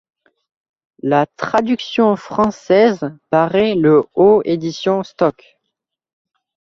La traduction française paraît le aux éditions Stock.